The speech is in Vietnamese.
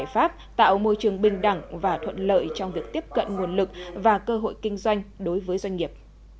giải pháp tạo môi trường bình đẳng và thuận lợi trong việc tiếp cận nguồn lực và cơ hội kinh doanh đối với doanh nghiệp